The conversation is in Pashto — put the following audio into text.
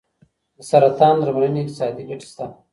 د سرطان درملنې اقتصادي ګټې شته.